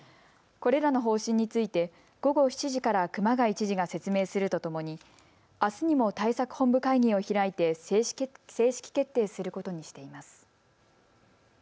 これらの方針について午後７時から熊谷知事が説明するとともにあすにも対策本部会議を開いて正式決定することにしています。